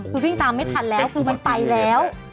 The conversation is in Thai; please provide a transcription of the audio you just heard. คือวิ่งตามไม่ทันแล้วคือมันไปแล้ว